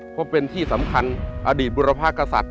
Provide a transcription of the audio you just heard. เพราะเป็นที่สำคัญอดีตบุรพากษัตริย